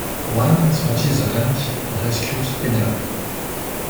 Juan smashes the tank and rescues Penelope.